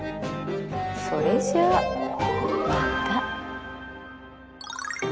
それじゃあまた。